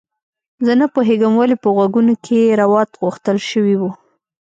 زه نه پوهیږم ولې په غوږونو کې روات غوښتل شوي وو